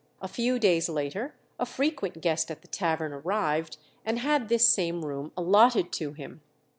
A few days later a frequent guest at the tavern arrived, and had this same room allotted to him.